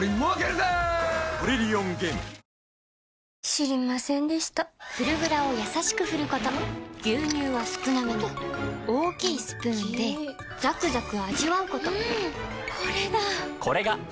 知りませんでした「フルグラ」をやさしく振ること牛乳は少なめに大きいスプーンで最後の一滴まで「カルビーフルグラ」